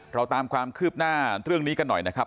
เราตามความคืบหน้าเรื่องนี้กันหน่อยนะครับ